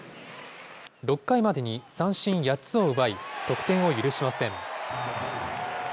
６回までに三振８つを奪い、得点を許しません。